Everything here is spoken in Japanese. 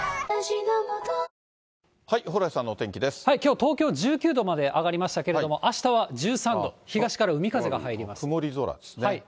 ＮＡＴＯは、きょう、東京、１９度まで上がりましたけれども、あしたは１３度、東から海風が入曇り空ですね。